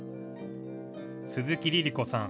鈴木梨里子さん